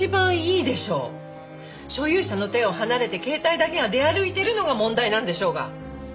所有者の手を離れて携帯だけが出歩いてるのが問題なんでしょうが。